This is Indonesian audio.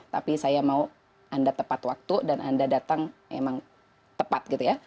tapi saya mau anda tepat waktu dan anda datang memang tepat